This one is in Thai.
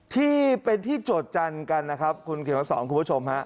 ที่เป็นที่จดจันกันนะครับคุณเขียนมาสองคุณผู้ชม